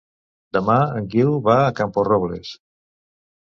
Demà en Guiu va a Camporrobles.